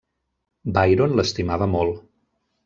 Byron l'estimava molt.